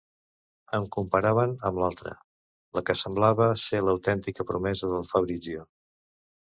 Em comparaven amb l'altra, la que semblava ser l'autèntica promesa del Fabrizio.